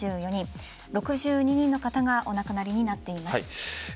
６２人の方がお亡くなりになっています。